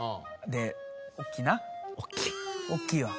で大きいな。